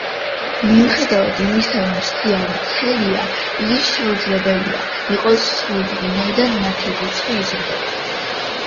მიუხედავად იმისა, რომ სია ვრცელია, იგი შეუძლებელია, იყოს სრული, ვინაიდან მათი რიცხვი იზრდება.